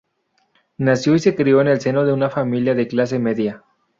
Nació y se crio en el seno de una familia de clase media.